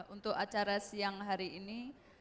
untuk acara siang hari ini